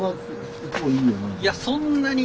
いやそんなに。